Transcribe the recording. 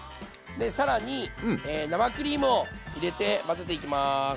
で更に生クリームを入れて混ぜていきます。